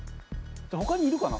ほかにいるかな？